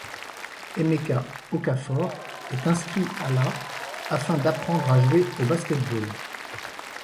Emeka Okafor est inscrit à la afin d'apprendre à jouer au basket-ball.